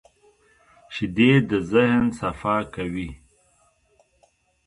شیدې د ذهن صفا کوي